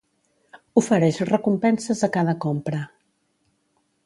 Ofereix recompenses a cada compra